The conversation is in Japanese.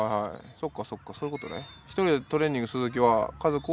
そっかそっかそういうことね。